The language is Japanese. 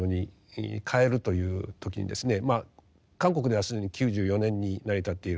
韓国では既に９４年に成り立っている。